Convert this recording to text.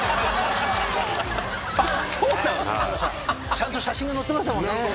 ちゃんと写真が載ってましたもんね。